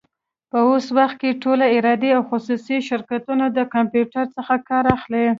په اوس وخت کي ټولي ادارې او خصوصي شرکتونه د کمپيوټر څخه کار اخلي.